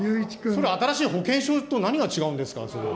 それ、新しい保険証と何が違うんですか。